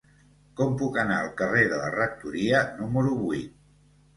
Com puc anar al carrer de la Rectoria número vuit?